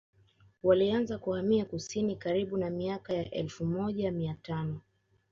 Walianza kuhamia kusini karibu na miaka ya elfu moja mia tano